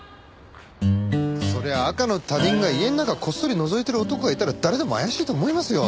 そりゃ赤の他人が家の中こっそりのぞいてる男がいたら誰でも怪しいと思いますよ。